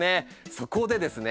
そこでですね